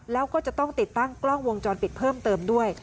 แล้วก็จะต้องติดตั้งกล้องวงจรปิดเพิ่มเติมด้วย